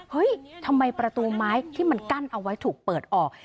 เฮ้ยทำไมประตูไม้ที่มันกั้นเอาไว้ถูกเปิดออก